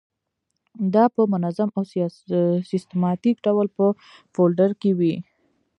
دا په منظم او سیستماتیک ډول په فولډر کې وي.